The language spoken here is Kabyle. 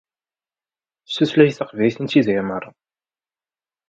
S tutlayt taqbaylit i nettdiri meṛṛa.